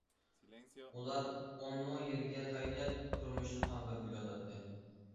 ئۇلار ئون مو يېرىگە تايىنىپ تۇرمۇشىنى قامداپ كېلىۋاتاتتى.